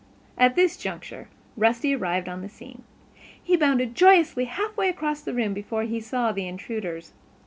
At this juncture Rusty arrived on the scene. He bounded joyously half way across the room before he saw the intruders.